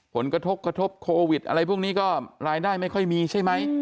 ผลกระทบกระทบโควิดอะไรพวกนี้ก็รายได้ไม่ค่อยมีใช่ไหม